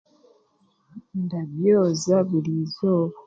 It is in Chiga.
Ndabyoza burizooba.